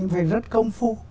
phải rất công phu